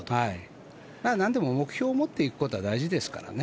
なんでも目標を持っていくことは大事ですからね。